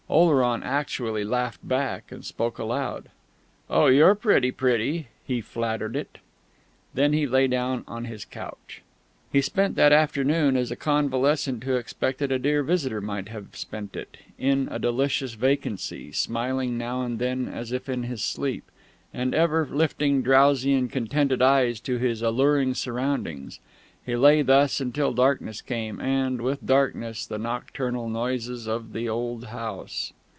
Oleron actually laughed back, and spoke aloud. "Oh, you're pretty, pretty!" he flattered it. Then he lay down on his couch. He spent that afternoon as a convalescent who expected a dear visitor might have spent it in a delicious vacancy, smiling now and then as if in his sleep, and ever lifting drowsy and contented eyes to his alluring surroundings. He lay thus until darkness came, and, with darkness, the nocturnal noises of the old house....